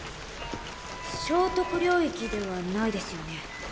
生得領域ではないですよね？